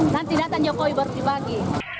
nanti datang jokowi baru dibagi